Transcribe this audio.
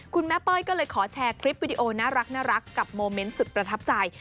เป้ยก็เลยขอแชร์คลิปวิดีโอน่ารักกับโมเมนต์สุดประทับใจ